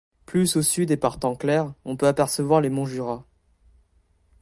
Plus au sud et par temps clair, on peut apercevoir les monts Jura.